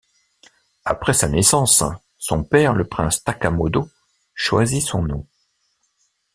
Après sa naissance, son père, le prince Takamado, choisit son nom.